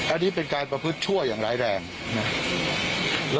อันนี้เป็นการประพฤติชั่วอย่างร้ายแรงนะครับ